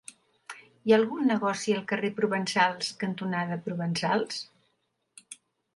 Hi ha algun negoci al carrer Provençals cantonada Provençals?